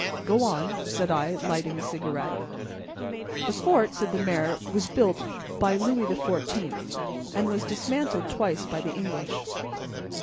"Go on," said I, lighting a cigarette. "The fort," said the mayor, "was built by Louis XIV, and was dismantled twice by the English.